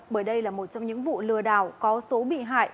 bởi đây là một trong những vụ lừa đảo có số bị hại